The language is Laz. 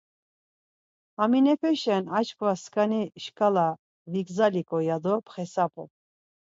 Haminepeşen aşǩva sǩani şǩala vigzaliǩo, yado pxesabum.